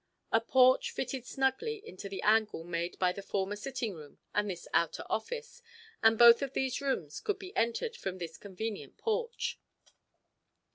A porch fitted snugly into the angle made by the former sitting room and this outer office, and both of these rooms could be entered from this convenient porch.